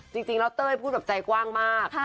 จริงแล้วเต้ยพูดแบบใจกว้างมาก